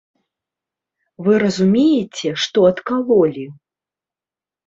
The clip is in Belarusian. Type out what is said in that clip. Вы разумееце, што адкалолі?